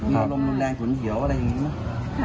มีอารมณ์รุนแรงฉุนเหี่ยวอะไรอย่างนี้ไหม